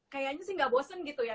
kayaknya sih nggak bosen gitu ya